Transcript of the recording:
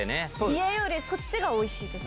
家よりそっちがおいしいです。